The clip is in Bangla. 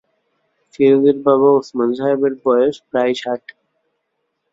ফিরোজের বাবা ওসমান সাহেবের বয়স প্রায় ষাট।